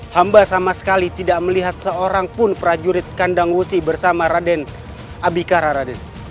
hamba sama sekali tidak melihat seorang pun prajurit kandang wusi bersama raden abika raraden